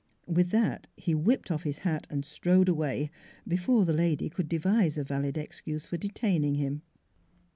With that he whipped off his hat and strode away, before the lady could devise a valid excuse for detaining him.